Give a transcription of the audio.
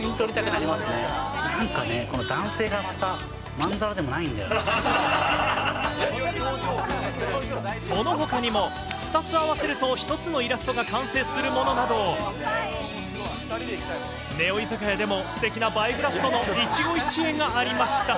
なんかね、この男性がまたまんざそのほかにも、２つ合わせると１つのイラストが完成するものなど、ネオ居酒屋でも、すてきな映えグラスとの一期一会がありました。